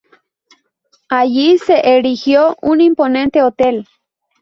Allí se erigió un imponente hotel.